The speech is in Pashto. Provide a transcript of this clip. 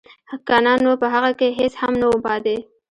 که نه نو په هغه کې هېڅ هم نه وو پاتې